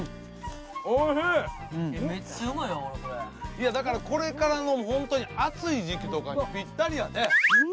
いやだからこれからのホントに暑い時期とかにぴったりやね。